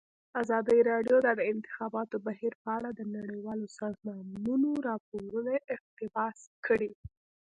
ازادي راډیو د د انتخاباتو بهیر په اړه د نړیوالو سازمانونو راپورونه اقتباس کړي.